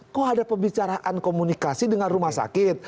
kok ada pembicaraan komunikasi dengan rumah sakit